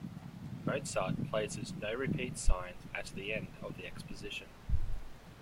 Mozart places no repeat signs at the end of the exposition.